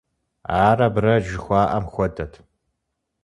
Ар абрэдж жыхуаӀэм хуэдэт.